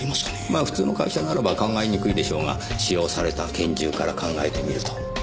まあ普通の会社ならば考えにくいでしょうが使用された拳銃から考えてみるとどうでしょう。